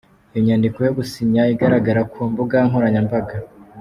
Iyo nyandiko yo gusinya igaragara ku mbuga nkoranya mbaga.